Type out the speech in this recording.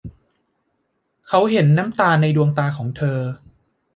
เขาเห็นน้ำตาในดวงตาของเธอ